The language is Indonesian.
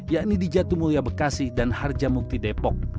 yakni di jatumulia bekasi dan harjamukti depok